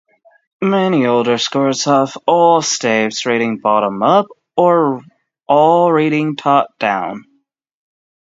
Many older scores have all staves reading bottom-up or all reading top-down.